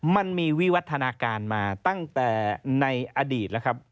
มันมีวิวัฒนาการมาตั้งแต่ในอดีตแล้วครับ